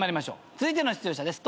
続いての出場者です。